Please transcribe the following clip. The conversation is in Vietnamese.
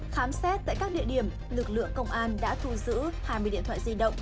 khám xét tại các địa điểm lực lượng công an đã thu giữ hai mươi điện thoại di động